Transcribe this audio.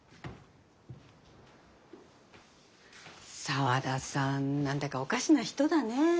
沢田さん何だかおかしな人だね。